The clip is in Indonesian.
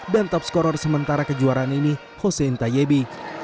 dan top scorer sementara kejuaraan ini hossein tayebi